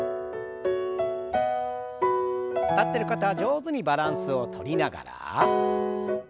立ってる方は上手にバランスをとりながら。